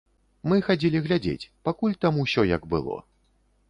Мы хадзілі глядзець, пакуль там усё як было.